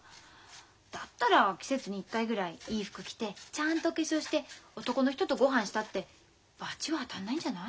だったら季節に１回ぐらいいい服着てちゃんとお化粧して男の人とごはんしたって罰は当たんないんじゃない？